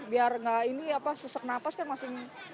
biar nggak ini apa sesak nafas kan masih